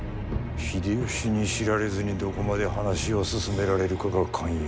秀吉に知られずにどこまで話を進められるかが肝要。